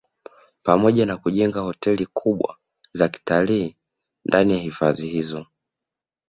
Pamoja na kujenga hoteli kubwa za kitalii ndani ya hifadhi hizo